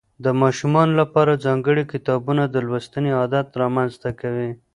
د ماشومانو لپاره ځانګړي کتابونه د لوستنې عادت رامنځته کوي.